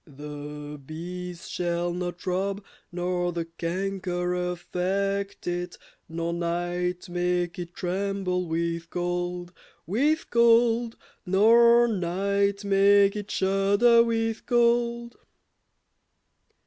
The bees shall not rob nor the canker affect it, Nor night make it tremble with cold, With cold, Nor night make it shudder with cold.